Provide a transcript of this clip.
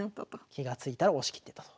気が付いたら押し切ってたと。